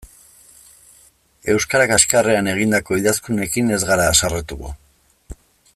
Euskara kaxkarrean egindako idazkunekin ez gara haserretuko.